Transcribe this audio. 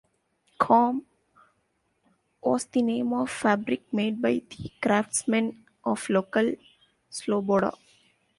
"Kham" was the name of fabric made by the craftsmen of local sloboda.